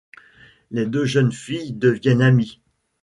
Les deux jeunes filles deviennent amies.